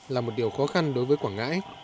là một điều khó khăn